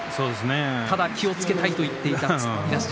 ただ、気をつけたいと言っていたいなし。